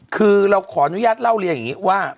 คือเราขออนุญาตเล่าเรียนอย่างนี้ว่า